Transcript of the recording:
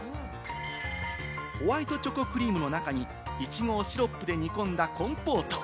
ホワイトチョコクリームの中にイチゴをシロップで煮込んだ、コンポート。